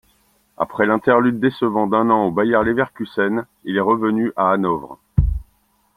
Après l'interlude décevant d'un an au Bayer Leverkusen, il est revenu à Hanovre.